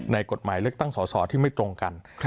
กฎหมายเลือกตั้งสอสอที่ไม่ตรงกัน